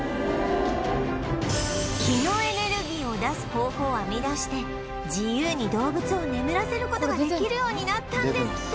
気のエネルギーを出す方法を編み出して自由に動物を眠らせる事ができるようになったんですって